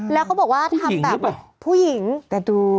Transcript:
แล้วเขาบอกว่าผู้หญิงหรือเปล่าผู้หญิงแต่ดู